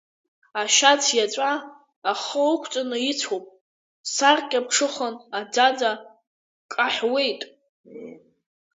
Ашьац иаҵәа ахы ықәҵаны ицәоуп, саркьаԥҽыхан аӡаӡа каҳәуеит.